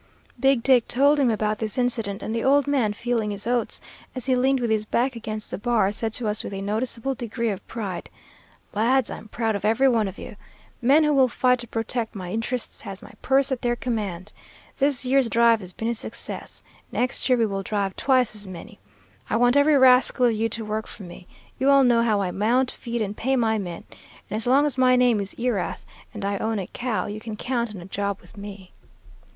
"Big Dick told him about this incident, and the old man feeling his oats, as he leaned with his back against the bar, said to us with a noticeable degree of pride, 'Lads, I'm proud of every one of you. Men who will fight to protect my interests has my purse at their command. This year's drive has been a success. Next year we will drive twice as many. I want every rascal of you to work for me. You all know how I mount, feed, and pay my men, and as long as my name is Erath and I own a cow, you can count on a job with me.'"